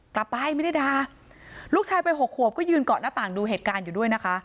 กลับไปไม่ได้ด่าลูกชายไปหกขวบก็ยืนเกาะหน้าต่างดูเหตุการณ์อยู่ด้วยนะคะ